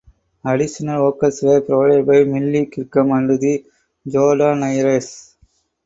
Additional vocals were provided by Millie Kirkham and The Jordanaires.